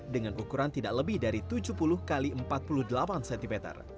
dengan ukuran tidak lebih dari tujuh puluh x empat puluh delapan cm